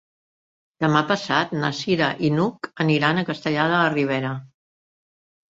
Demà passat na Cira i n'Hug aniran a Castellar de la Ribera.